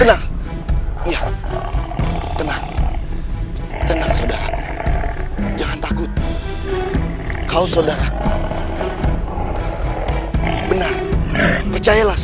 amenan raja degulu